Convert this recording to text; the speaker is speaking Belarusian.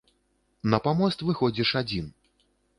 На памост выходзіш адзін.